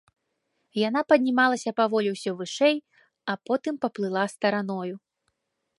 Яна паднімалася паволі ўсё вышэй, а потым паплыла стараною.